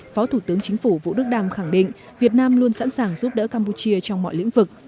phó thủ tướng chính phủ vũ đức đam khẳng định việt nam luôn sẵn sàng giúp đỡ campuchia trong mọi lĩnh vực